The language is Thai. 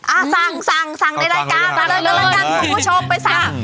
อ่ะสั่งสั่งในรายการละกันกันละกันคุณผู้ชมไปสั่ง